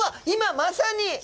今まさに。